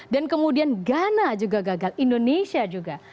dan kemudian ghana juga gagal indonesia juga